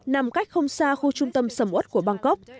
nằm cách không xa khu trung tâm sầm ớt của bangkok